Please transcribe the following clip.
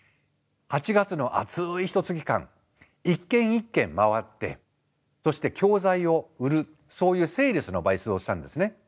８月の暑いひとつき間一軒一軒回ってそして教材を売るそういうセールスのバイトをしたんですね。